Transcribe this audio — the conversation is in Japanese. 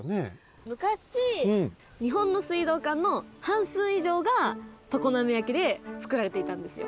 むかし日本の水道管の半数以上が常滑焼でつくられていたんですよ。